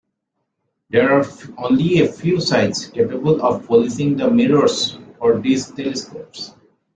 There are only a few sites capable of polishing the mirrors for these telescopes.